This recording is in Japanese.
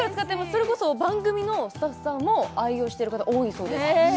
それこそ番組のスタッフさんも愛用してる方多いそうですえ